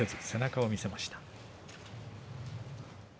背中を見せました。